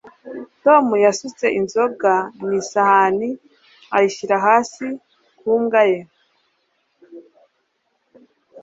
tom yasutse inzoga mu isahani ayishyira hasi ku mbwa ye